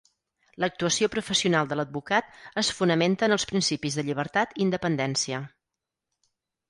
L'actuació professional de l'advocat es fonamenta en els principis de llibertat i independència.